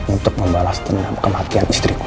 untuk membalas kematian istriku